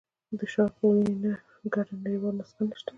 د شارپ په وینا ګډه نړیواله نسخه نشته.